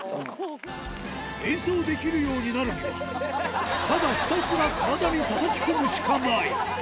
演奏できるようになるには、ただひたすら体にたたき込むしかない。